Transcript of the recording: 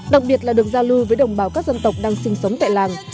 đặc biệt là được giao lưu với đồng bào các dân tộc đang sinh sống tại làng